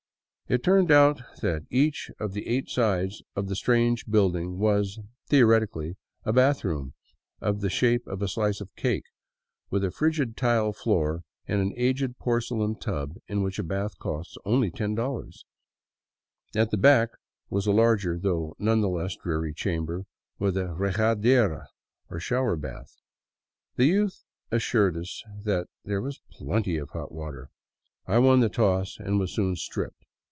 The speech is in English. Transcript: It turned out that each of the eight sides of the strange building was — theoretically — a bathroom of the shape of a slice of cake, with a frigid tile floor and an aged porcelain tub in which a bath cost only $io. At the back was a larger, though none the less dreary, chamber with a regadera, or showerbath. The youth assured us there was plenty of hot water. I won the toss and was soon stripped.